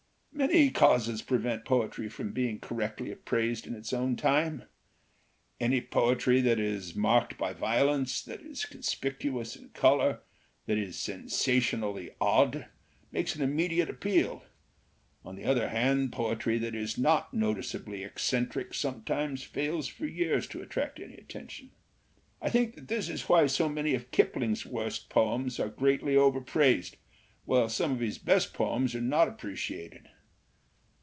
"Many causes prevent poetry from being cor rectly appraised in its own time. Any poetry that is marked by violence, that is conspicuous in color, that is sensationally odd, makes an im mediate appeal. On the other hand, poetry that is not noticeably eccentric sometimes fails for years to attract any attention. "I think that this is why so many of Kipling's worst poems are greatly overpraised, while some of his best poems are not appreciated.